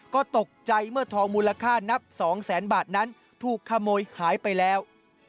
ก็ตกใจเมื่อทองมูลค่านับสองแสนบาทนั้นถูกขโมยหายไปแล้ว